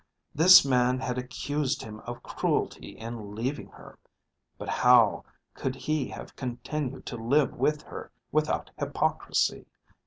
This man had accused him of cruelty in leaving her. But how could he have continued to live with her without hypocrisy?